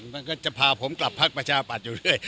มันก็จะพาผมกลับภักดิ์ประชาบัติอยู่ด้วย